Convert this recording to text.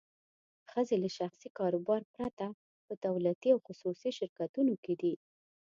ښځې له شخصي کاروبار پرته په دولتي او خصوصي شرکتونو کې دي.